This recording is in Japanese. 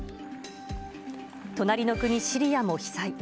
隣の国、シリアも被災。